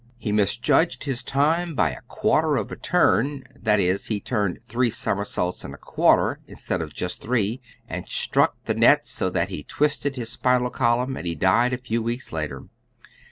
He misjudged his time by a quarter of a turn that is, he turned three somersaults and a quarter instead of just three and struck the net so that he twisted his spinal column, and he died a few weeks later.